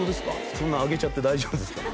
そんな上げちゃって大丈夫ですか？